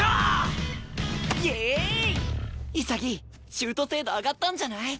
シュート精度上がったんじゃない？